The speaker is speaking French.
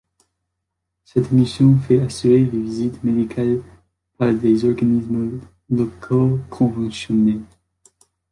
Cette mission fait assurer les visites médicales par des organismes locaux conventionnés.